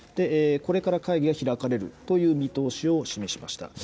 これから会議が開かれるという見通しを示しました。